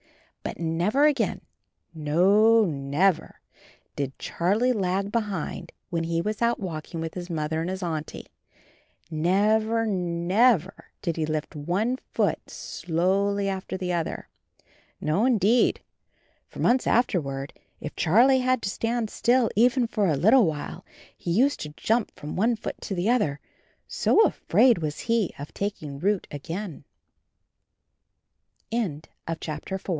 But never again, no never did Charlie lag behind when he was out walking with his Mother and his Auntie — never, never, did he lift one foot slowly after the other. No, indeed, for months afterward if Charlie had to stand still even for a little while he used to jump from one foot to the other,